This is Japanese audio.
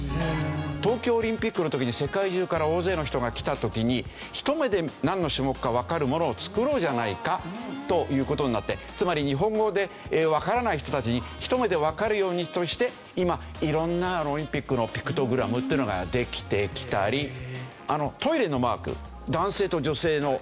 東京オリンピックの時に世界中から大勢の人が来た時にひと目でなんの種目かわかるものを作ろうじゃないかという事になってつまり日本語がわからない人たちにひと目でわかるようにとして今色んなオリンピックのピクトグラムっていうのができてきたりトイレのマーク男性と女性のマーク。